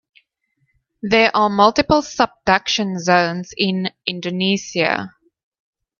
There are multiple subduction zones in Indonesia.